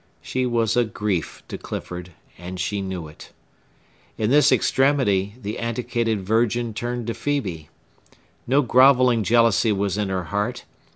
She was a grief to Clifford, and she knew it. In this extremity, the antiquated virgin turned to Phœbe. No grovelling jealousy was in her heart.